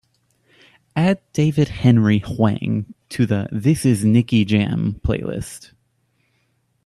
Add david henry hwang to the This Is Nicky Jam playlist.